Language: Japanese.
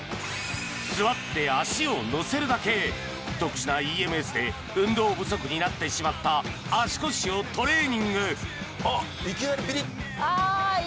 座って脚をのせるだけ特殊なＥＭＳで運動不足になってしまった足腰をトレーニングあっいきなりピリッ